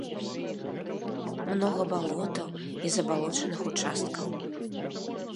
Многа балотаў і забалочаных участкаў.